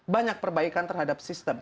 banyak perbaikan terhadap sistem